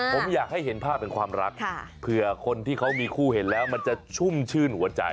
ผมอยากให้เห็นภาพเป็นความรักเผื่อคนที่เขามีคู่เห็นแล้วมันจะชุ่มชื่นหัวใจ